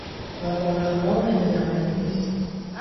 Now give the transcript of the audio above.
War vord ar mor e redan alies.